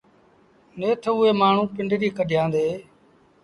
نيٺ اُئي مآڻهوٚٚݩ پنڊريٚ ڪڍيآݩدي